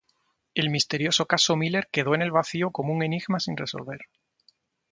El misterioso caso Miller quedó en el vacío como un enigma sin resolver.